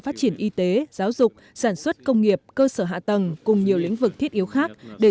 phát triển y tế giáo dục sản xuất công nghiệp cơ sở hạ tầng cùng nhiều lĩnh vực thiết yếu khác để